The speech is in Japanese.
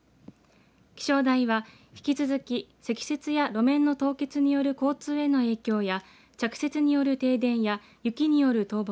気象台は、引き続き積雪や路面の凍結による交通への影響や着雪による停電や雪による倒木